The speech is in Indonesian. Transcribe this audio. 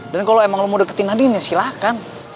dan kalau emang lo mau deketin nadine ya silahkan